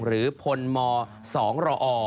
หรือพลม๒รอ